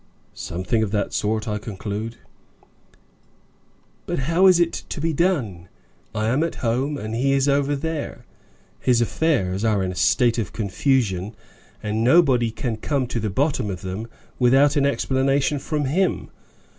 "Something of that sort, I conclude." "But how is it to be done? I am at home, and he is over there. His affairs are in a state of confusion, and nobody can come to the bottom of them without an explanation from him.